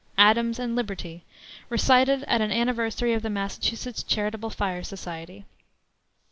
Adams and Liberty, recited at an anniversary of the Massachusetts Charitable Fire Society.